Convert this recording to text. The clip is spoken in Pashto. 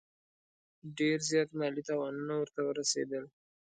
ډېر زیات مالي تاوانونه ورته ورسېدل.